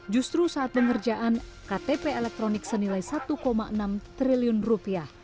justru saat pengerjaan ktp elektronik senilai satu enam triliun rupiah